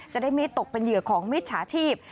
จะได้ไม่ตกเป็นเหยื่อของมิจฉาชีพ